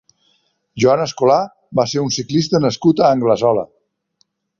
Joan Escolà va ser un ciclista nascut a Anglesola.